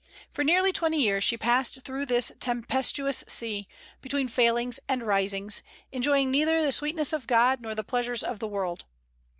For nearly twenty years she passed through this tempestuous sea, between failings and risings, enjoying neither the sweetness of God nor the pleasures of the world.